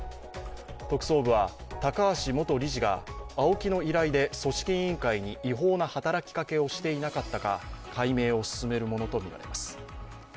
特捜部は高橋元理事がＡＯＫＩの依頼で組織委員会が違法な働きかけをしていなかったか解明を進めるものとみられます。